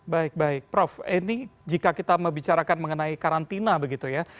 baik baik prof ini jika kita membicarakan mengenai karantina begitu ya